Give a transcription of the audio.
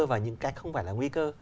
và những cái không phải là nguy cơ